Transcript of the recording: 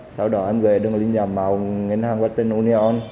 sau đó em gửi được linh giảm mạo ngân hàng watten union